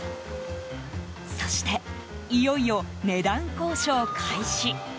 そして、いよいよ値段交渉開始。